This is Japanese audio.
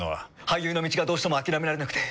俳優の道がどうしても諦められなくて。